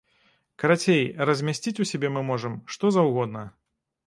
Карацей, размясціць у сябе мы можам, што заўгодна.